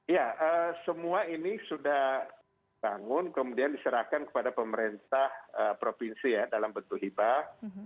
ya semua ini sudah dibangun kemudian diserahkan kepada pemerintah provinsi ya dalam bentuk hibah